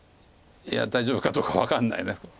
いや大丈夫かどうか分かんないな。